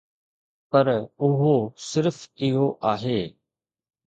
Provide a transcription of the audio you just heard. پر اهو صرف اهو آهي.